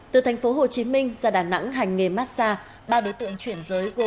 từ tp hcm ra đà nẵng hành nghề massage ba đối tượng chuyển giới gồm